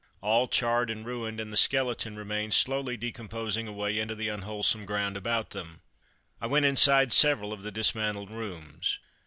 All charred and ruined, and the skeleton remains slowly decomposing away into the unwholesome ground about them. I went inside several of the dismantled rooms.